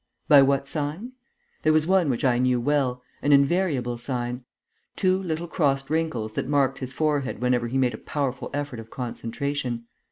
By what signs? There was one which I knew well, an invariable sign: Two little crossed wrinkles that marked his forehead whenever he made a powerful effort of concentration.